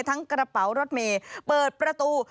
กระเป๋ารถเมย์เปิดประตู